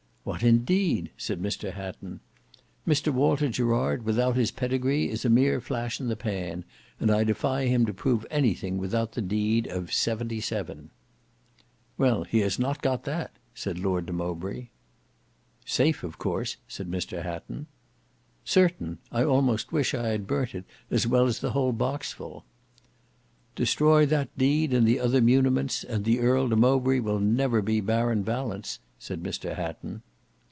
"What indeed!" said Mr Hatton. "Mr Walter Gerard without his pedigree is a mere flash in the pan; and I defy him to prove anything without the deed of '77." "Well, he has not got that," said Lord de Mowbray. "Safe, of course?" said Mr Hatton. "Certain. I almost wish I had burnt it as well as the whole box full." "Destroy that deed and the other muniments, and the Earl de Mowbray will never be Baron Valence," said Mr Hatton.